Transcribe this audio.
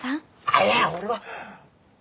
あっいや俺は。